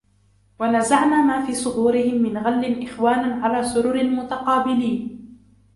ونزعنا ما في صدورهم من غل إخوانا على سرر متقابلين